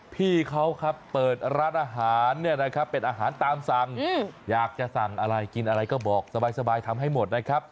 พี่เขาครับเปิดร้านอาหารเนี่ยนะครับเป็นอาหารตามสั่งอยากจะสั่งอะไรกินอะไรก็บอกสบายทำให้หมดนะครับ